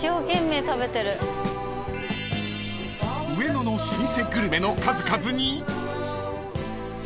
［上野の老舗グルメの数々に］